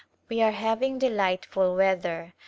We are having delightful weather.